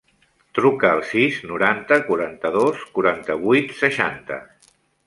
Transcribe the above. Truca al sis, noranta, quaranta-dos, quaranta-vuit, seixanta.